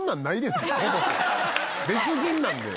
別人なんで。